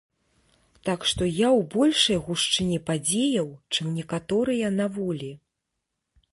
Так што я ў большай гушчыні падзеяў, чым некаторыя на волі.